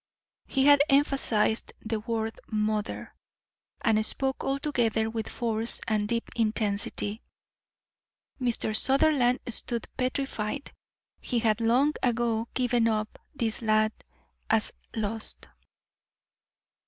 He had emphasised the word mother, and spoke altogether with force and deep intensity. Mr. Sutherland stood petrified; he had long ago given up this lad as lost.